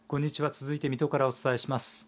続いて水戸からお伝えします。